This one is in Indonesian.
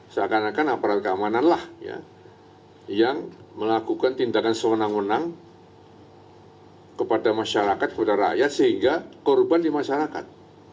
seakan akan aparat keamananlah yang melakukan tindakan sewenang wenang kepada masyarakat kepada rakyat sehingga korban di masyarakat